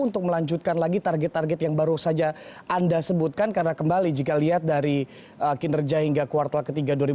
untuk melanjutkan lagi target target yang baru saja anda sebutkan karena kembali jika lihat dari kinerja hingga kuartal ketiga dua ribu dua puluh